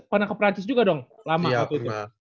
pernah ke perancis juga dong lama waktu itu